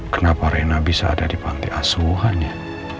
kenapa reina bisa ada di panti asuhan ya